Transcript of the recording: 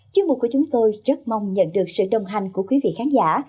chuyên mục của chúng tôi rất mong nhận được sự đồng hành của quý vị khán giả